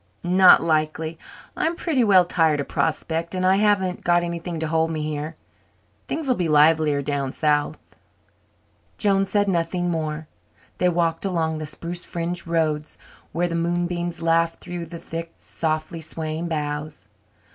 "Not likely. I'm pretty well tired of Prospect and I haven't got anything to hold me here. Things'll be livelier down south." Joan said nothing more. They walked along the spruce fringed roads where the moonbeams laughed down through the thick, softly swaying boughs.